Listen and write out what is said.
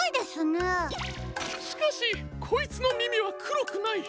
しかしこいつのみみはくろくない。